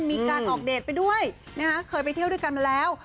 มีการออกเดทไปด้วยนะฮะเคยไปเที่ยวด้วยกันมาแล้ว